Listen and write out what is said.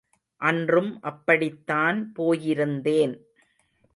அன்றும் அப்படித்தான் போயிருந்தேன்.